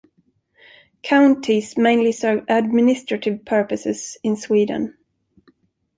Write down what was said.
Counties mainly serve administrative purposes in Sweden.